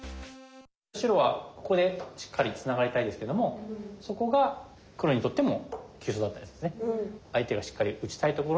白はここでしっかりつながりたいですけどもそこが黒にとっても急所だったんですね。